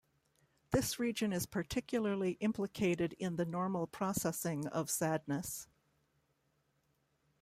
This region is particularly implicated in the normal processing of sadness.